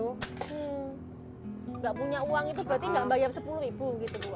tidak punya uang itu berarti nggak bayar sepuluh ribu gitu bu